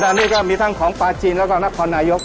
ตอนนี้ก็มีทั้งของปลาจีนแล้วก็นครนายก